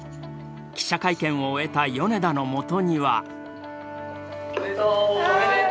記者会見を終えた米田のもとには。